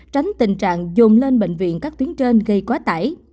tránh tình trạng dồn lên bệnh viện các tuyến trên gây quá tải